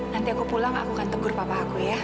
nanti aku pulang aku akan tegur papa aku ya